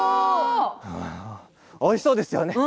おいしそうですね。